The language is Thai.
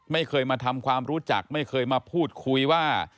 ไม่เคยมาทำความรู้จักไม่เคยมาพูดคุยว่า